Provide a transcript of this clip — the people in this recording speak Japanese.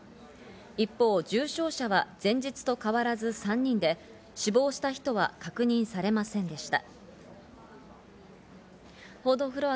一方、重症者は前日と変わらず３人で死亡した人は確認されませんでした。